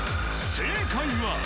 正解は？